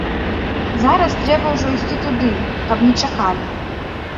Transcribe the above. Зараз трэба ўжо ісці туды, каб не чакалі.